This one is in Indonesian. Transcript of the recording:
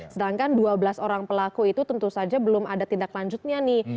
sedangkan dua belas orang pelaku itu tentu saja belum ada tindak lanjutnya nih